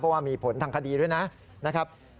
เพราะว่ามีผลทางคดีด้วยนะครับ